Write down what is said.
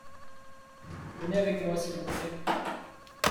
Venez avec moi s’il vous plait .